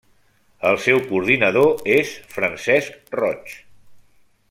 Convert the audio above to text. El seu coordinador és Francesc Roig.